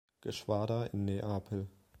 Geschwader in Neapel.